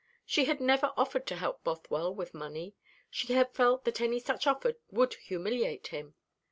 She had never offered to help Bothwell with money; she had felt that any such offer would humiliate him.